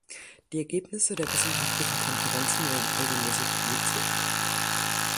Die Ergebnisse der wissenschaftlichen Konferenzen werden regelmäßig publiziert.